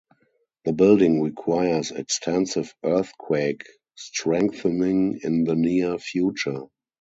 The building requires extensive earthquake strengthening in the near future.